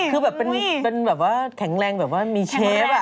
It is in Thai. คือแบบเป็นแบบว่าแข็งแรงแบบว่ามีเชฟ